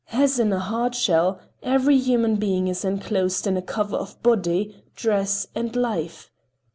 As in a hard shell, every human being is enclosed in a cover of body, dress, and life.